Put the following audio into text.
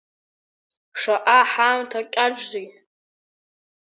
Шаҟа ҳаамҭа кьаҿзеи!